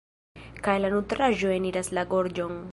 Kaj la nutraĵo eniras la gorĝon.